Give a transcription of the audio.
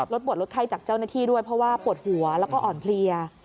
ปวดลดไข้จากเจ้าหน้าที่ด้วยเพราะว่าปวดหัวแล้วก็อ่อนเพลีย